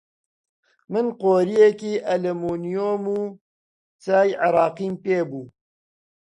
من قۆرییەکی ئەلمۆنیۆم و چای عێراقیم پێ بوو